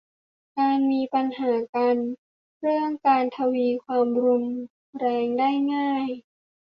หากมีปัญหากันเรื่องจะทวีความรุนแรงได้ง่าย